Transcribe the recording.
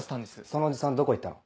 そのおじさんどこ行ったの？